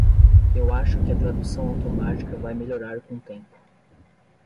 Eu acho que a tradução automática vai melhorar com o tempo.